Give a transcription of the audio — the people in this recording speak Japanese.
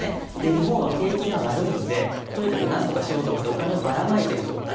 日本は景気が悪いのでとにかくなんとかしようと思ってお金をばらまいている状態。